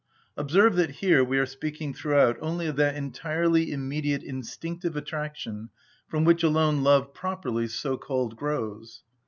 Observe that here we are speaking throughout only of that entirely immediate instinctive attraction from which alone love properly so called grows.